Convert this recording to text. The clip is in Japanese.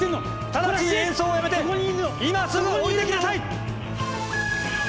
ただちに演奏をやめて今すぐおりてきなさい！